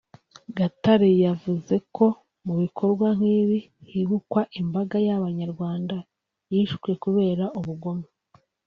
Gatare yavuze ko mu bikorwa nk’ibi hibukwa imbaga y’Abanyarwanda yishwe “kubera ubugome